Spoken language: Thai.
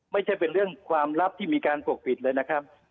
ไม่ใช่เป็นเรื่องความลับที่มีการปกปิดเลยนะครับ